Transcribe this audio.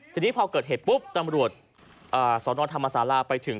ทีนี้พอเกิดเหตุปุ๊บตำรวจสนธรรมศาลาไปถึง